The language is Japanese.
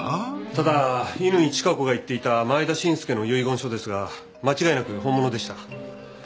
ただ乾チカ子が言っていた前田伸介の遺言書ですが間違いなく本物でした。